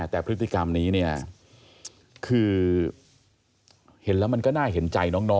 แต่พฤติกรรมนี้เนี่ยคือเห็นแล้วมันก็น่าเห็นใจน้อง